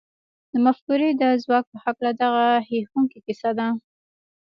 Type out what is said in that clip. د مفکورې د ځواک په هکله دغه هیښوونکې کیسه ده